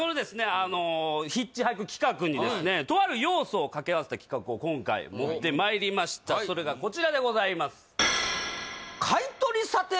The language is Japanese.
あのヒッチハイク企画にですねとある要素を掛け合わせた企画を今回持ってまいりましたそれがこちらでございます